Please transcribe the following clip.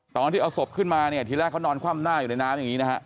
ตอนที่เอาศพขึ้นมาเนี่ยทีแรกเขานอนคว่ำหน้าอยู่ในน้ำอย่างนี้นะฮะ